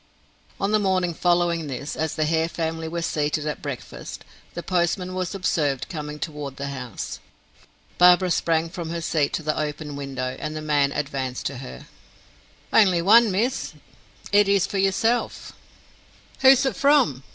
On the morning following this, as the Hare family were seated at breakfast, the postman was observed coming toward the house. Barbara sprang from her seat to the open window, and the man advanced to her. "Only one miss. It is for yourself." "Who is it from?"